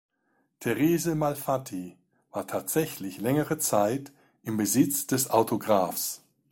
Therese Malfatti war tatsächlich längere Zeit im Besitz des Autographs.